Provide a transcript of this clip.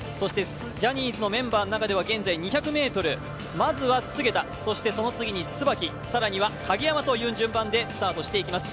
ジャニーズのメンバーの中では現在２００ｍ、まずは菅田、その次に椿、更には影山という順番でスタートしています。